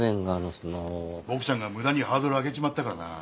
ボクちゃんが無駄にハードル上げちまったからなぁ。